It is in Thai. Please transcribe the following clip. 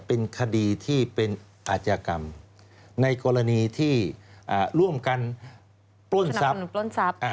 เป็นคดีที่เป็นอาจกรรมในกรณีที่ร่วมกันปล้นทรัพย์